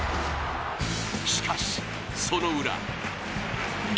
しかし、そのウラ。